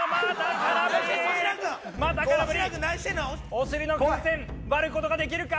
お尻の風船割る事ができるか？